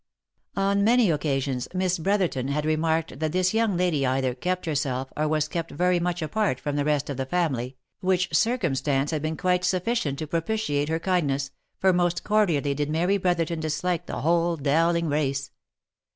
On many occasions Miss Brotherton had remarked that this young lady either kept herself, or was kept very much apart from the rest of the family, which circumstance had been quite sufficient to propitiate her kindness, for most cordially did Mary Brotherton dislike the whole Dow ling race.